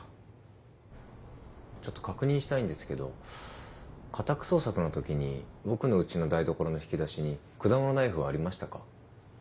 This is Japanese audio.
ちょっと確認したいんですけど家宅捜索のときに僕のうちの台所の引き出しに果物ナイフはありましたか？